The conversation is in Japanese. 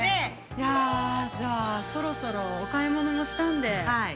◆いや、じゃあ、そろそろ、お買い物もしたんで。